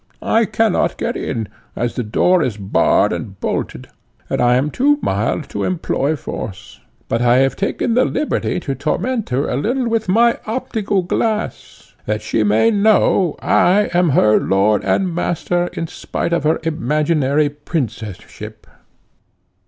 I cannot get in, as the door is barred and bolted, and I am too mild to employ force; but I have taken the liberty to torment her a little with my optical glass, that she may know I am her lord and master in spite of her imaginary princess ship."